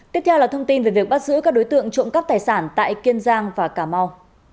tiếp theo là thông tin về việc bắt giữ các đối tượng trộm cắp tài sản tại kiên giang và cà mau